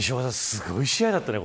すごい試合だったね。